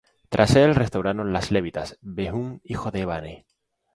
Tras él restauraron los Levitas, Rehum hijo de Bani;